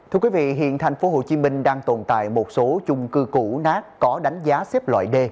hiện tp hcm đang tồn tại một số chung cư cũ nát có đánh giá xếp loại d